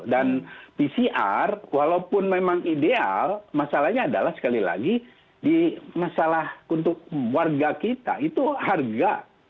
dan pcr walaupun memang ideal masalahnya adalah sekali lagi di masalah untuk warga kita itu harga